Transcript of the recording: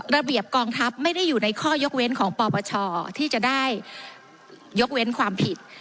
ระเบียบกองทัพไม่ได้อยู่ในข้อยกเว้นของปปชที่จะได้ยกเว้นความผิด